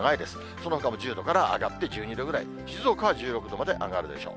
そのほかも１０度から上がって１２度ぐらい、静岡は１６度ぐらいまで上がるでしょう。